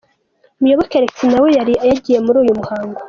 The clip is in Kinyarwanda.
Muyoboke Alexis nawe yari yagiye muri uyu muhango.